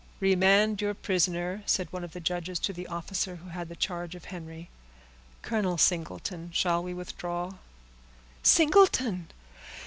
"Remand your prisoner," said one of the judges to the officer who had the charge of Henry. "Colonel Singleton, shall we withdraw?" "Singleton!